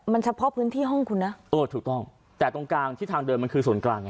มันเฉพาะพื้นที่ห้องคุณนะเออถูกต้องแต่ตรงกลางที่ทางเดินมันคือส่วนกลางไง